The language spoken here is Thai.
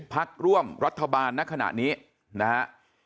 พักร่วมรัฐบาลณขณะนี้นะฮะ